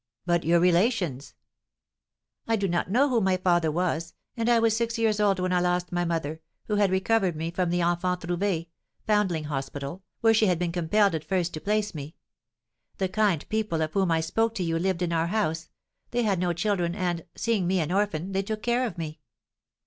"But your relations?" "I do not know who my father was, and I was six years old when I lost my mother, who had recovered me from the Enfants Trouvés (Foundling Hospital), where she had been compelled at first to place me. The kind people of whom I spoke to you lived in our house; they had no children, and, seeing me an orphan, they took care of me."